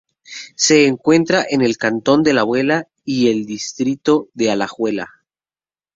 Se encuentra en el Cantón de Alajuela y el Distrito de Alajuela.